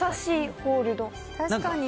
確かに。